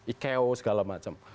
iko segala macam